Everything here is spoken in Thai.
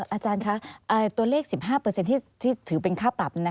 อาจารย์คะตัวเลข๑๕ที่ถือเป็นค่าปรับ